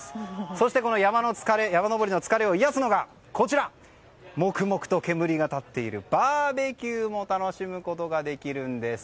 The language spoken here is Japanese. そしてこの山登りの疲れを癒やすのがもくもくと煙が立っているバーベキューも楽しむことができるんです。